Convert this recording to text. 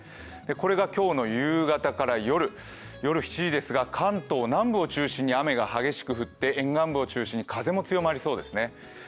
これが今日の夕方から夜、夜７時ですが関東南部を中心に雨が激しく降って沿岸部を中心に風も強まりそうですね。